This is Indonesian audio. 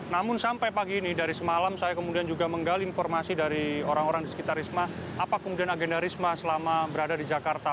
namun sampai pagi ini dari semalam saya kemudian juga menggali informasi dari orang orang di sekitar risma apa kemudian agenda risma selama berada di jakarta